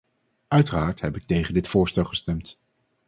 Uiteraard heb ik tegen dit voorstel gestemd.